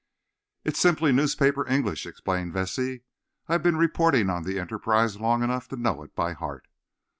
"It's simply newspaper English," explained Vesey. "I've been reporting on the Enterprise long enough to know it by heart.